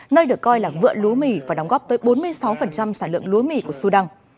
nơi được coi là vựa lúa mì và đóng góp tới bốn mươi sáu sản lượng lúa mì của sudan